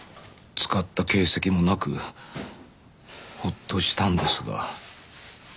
使った形跡もなくホッとしたんですが。